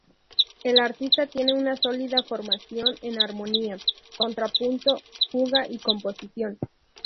El artista tiene una sólida formación en armonía, contrapunto, fuga y composición.